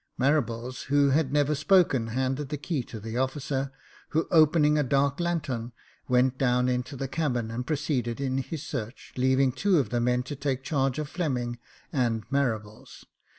Marables, who had never spoken, handed the key to the officer, who, opening a dark lanthorn, went down into the cabin and proceeded in his search, leaving two of the men to take charge of Fleming and Marables.